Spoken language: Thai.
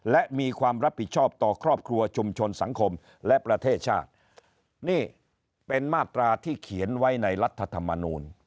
และมีความรับผิดชอบต่อครอบครัวชุมชนสังคมและประเทศชาตินี่เป็นมาตราที่เขียนไว้ในรัฐธรรมนูล